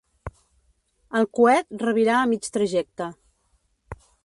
El coet revirà a mig trajecte.